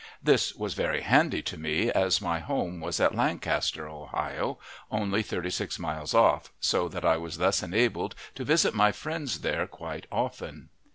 This was very handy to me, as my home was at Lancaster, Ohio, only thirty six miles off, so that I was thus enabled to visit my friends there quite often.